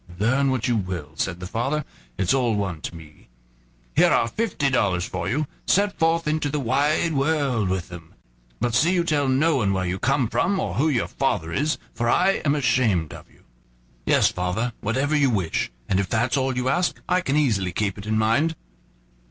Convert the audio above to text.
"Learn what you will," said the father, "it's all one to me. Here are fifty dollars for you, set forth into the wide world with them; but see you tell no one where you come from or who your father is, for I am ashamed of you." "Yes, father, whatever you wish; and if that's all you ask, I can easily keep it in mind."